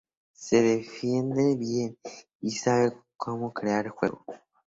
Se defiende bien y sabe cómo crear juego.